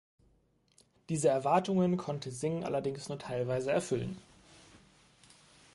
Diese Erwartungen konnte Singh allerdings nur teilweise erfüllen.